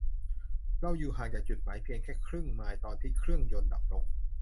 เราอยู่ห่างจากจุดหมายเพียงแค่ครึ่งไมล์ตอนที่เครื่องยนต์ดับลง